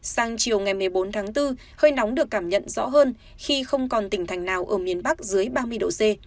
sang chiều ngày một mươi bốn tháng bốn hơi nóng được cảm nhận rõ hơn khi không còn tỉnh thành nào ở miền bắc dưới ba mươi độ c